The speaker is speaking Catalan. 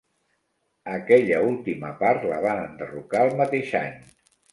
Aquella última part la van enderrocar el mateix any.